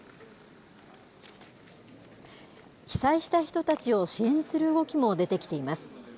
被災した人たちを支援する動きも出てきています。